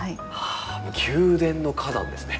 宮殿の花壇ですね。